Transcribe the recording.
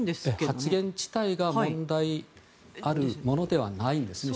発言自体が問題あるものではないんですね。